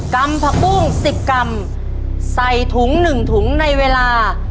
กรรมผักปุ้งสิบกรรมใส่หนึ่งถุงในเวลา